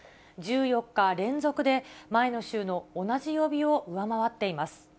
１４日連続で、前の週の同じ曜日を上回っています。